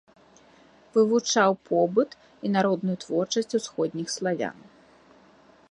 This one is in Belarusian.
Вывучаў побыт і народную творчасць усходніх славян.